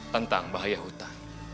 tentang bahaya hutan